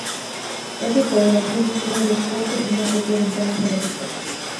Es de color azul, tiene dos puertas y no posee ventanas a la vista.